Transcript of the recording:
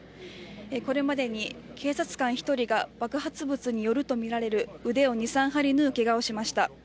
これまでに警察官１人が爆発物によるとみられる腕を３針縫うケガをしました。